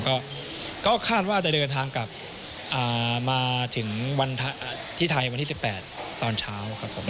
ก็คาดว่าจะเดินทางกลับมาถึงวันที่ไทยวันที่๑๘ตอนเช้าครับผม